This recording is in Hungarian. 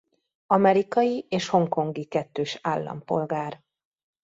Amerikai és hongkongi kettős állampolgár.